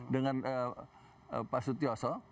dengan pak sutioso